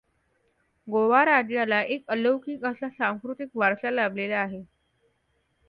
गोवा राज्याला एक अलौकिक असा सांस्कृतिक वारसा लाभलेला आहे.